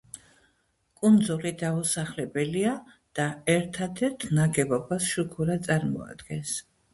კუნძული დაუსახლებელია და ერთადერთ ნაგებობას შუქურა წარმოადგენს.